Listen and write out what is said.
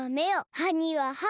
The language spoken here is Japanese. はにははを。